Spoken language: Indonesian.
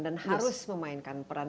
dan harus memainkan peran